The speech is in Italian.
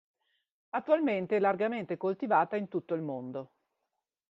Attualmente è largamente coltivata in tutto il mondo.